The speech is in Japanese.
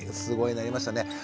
すごいなりましたね。